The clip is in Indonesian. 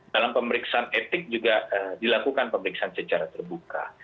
dalam pemeriksaan etik juga dilakukan pemeriksaan secara terbuka